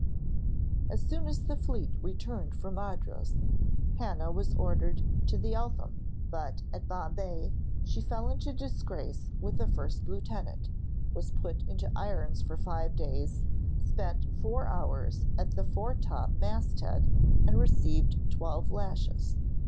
As soon as the fleet returned from Madras, Hannah was ordered to the 'Eltham,' but at Bombay she fell into disgrace with the first lieutenant, was put into irons for five days, spent four hours at the foretop masthead, and received twelve lashes.